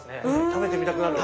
食べてみたくなる？